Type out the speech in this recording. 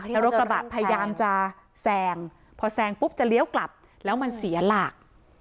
แล้วรถกระบะพยายามจะแซงพอแซงปุ๊บจะเลี้ยวกลับแล้วมันเสียหลัก